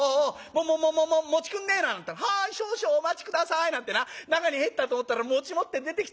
『もももくんねえ』なんてったら『はい少々お待ち下さい』なんて中に入ったと思ったら持って出てきたよ。